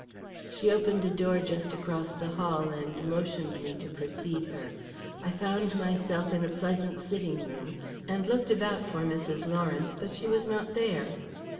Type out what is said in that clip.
She opened a door just across the hall and motioned me to precede her. I found myself in a pleasant sitting room, and looked about for Mrs. Lawrence, but she was not there.